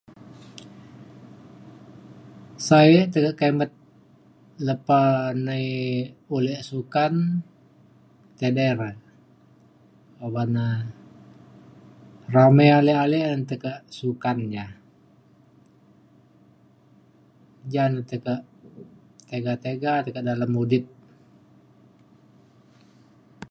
sa’e tekak kimet lepa nai ulek sukan edei rai uban na rami ale ale tekak sukan ja ja na tekak tiga tiga tekak dalem mudip